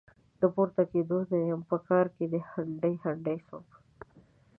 د پورته کېدو نه يم؛ په کار کې هنډي هنډي سوم.